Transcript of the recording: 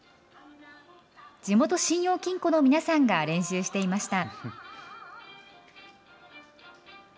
地元信用金庫の皆さんが練習していました。